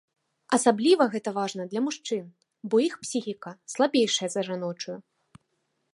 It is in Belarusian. Асабліва гэта важна для мужчын, бо іх псіхіка слабейшая за жаночую.